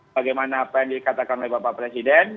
bagaimana apa yang dikatakan oleh bapak presiden